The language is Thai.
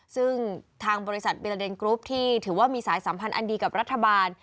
ซึ่งทางบริษัทบิลาเดนกรุ๊ปที่ถือว่ามีสายสัมพันธ์อันดีกับรัฐบาล